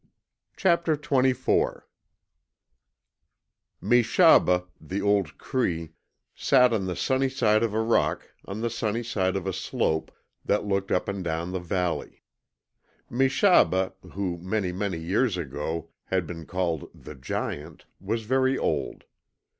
CHAPTER TWENTY FOUR Meshaba, the old Cree, sat on the sunny side of a rock on the sunny side of a slope that looked up and down the valley. Meshaba who many, many years ago had been called The Giant was very old.